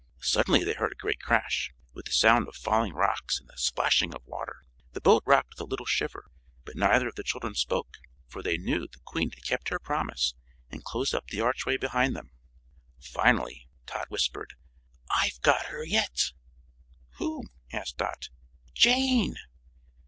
Suddenly they heard a great crash, with the sound of falling rocks and the splashing of water. The boat rocked with a little shiver, but neither of the children spoke, for they knew the Queen had kept her promise and closed up the archway behind them. Finally Tot whispered, "I've got her yet." "Who?" asked Dot. "Jane."